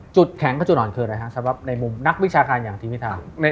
จุดแข็งและจุดอ่อนคืออะไรครับในมุมนักวิชาการอย่างทีมีทาง